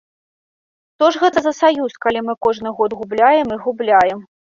Што ж гэта за саюз, калі мы кожны год губляем і губляем?